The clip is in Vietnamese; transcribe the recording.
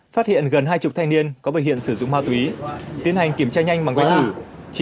phát hiện gần hai mươi thanh niên có bệnh hiện sử dụng ma túy tiến hành kiểm tra nhanh bằng quét thử